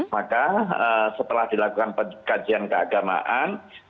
maka setelah dilakukan pengkajian keagamaan